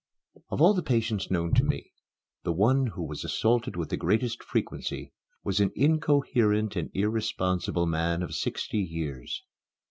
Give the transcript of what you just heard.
Of all the patients known to me, the one who was assaulted with the greatest frequency was an incoherent and irresponsible man of sixty years.